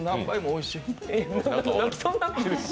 泣きそうになってるし。